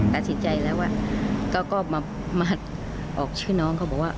ตัดสินใจแล้วก็มาออกชื่อน้องเขาบอกว่า